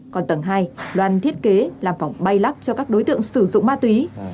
còn tầng hai đoàn thiết kế làm phòng bay lắp cho các đối tượng sử dụng ma túy